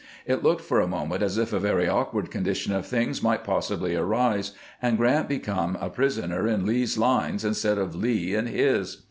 It looked for a moment as if a very awkward condition of things might possibly arise, and Grant become a prisoner in Lee's lines instead of Lee in his.